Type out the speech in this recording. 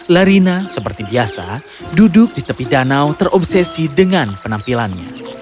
larina seperti biasa duduk di tepi danau terobsesi dengan penampilannya